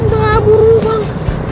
udah buru bang